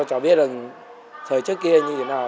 cháu biết là thời trước kia như thế nào